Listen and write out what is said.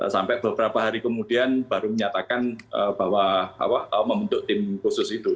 sampai beberapa hari kemudian baru menyatakan bahwa membentuk tim khusus itu